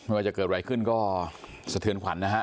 ว่าจะเกิดอะไรขึ้นก็สะเทือนขวัญนะฮะ